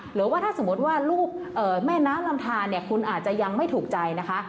หรือว่าถ้าสมมติว่าลูกแม่น้ำลำทานเนี่ยคุณอาจจะยังไม่ถูกใจนะคะ